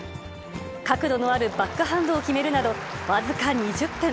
角度のあるバックハンドを決めるなど、僅か２０点。